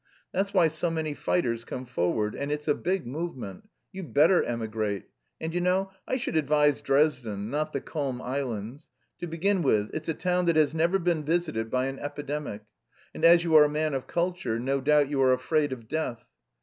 That's why so many fighters come forward, and it's a big movement. You'd better emigrate! And, you know, I should advise Dresden, not 'the calm islands.' To begin with, it's a town that has never been visited by an epidemic, and as you are a man of culture, no doubt you are afraid of death.